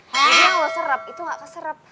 jadi kalau lo serep itu gak keserep